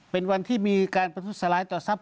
เป็นวันที่มีการประทุษร้ายต่อทรัพย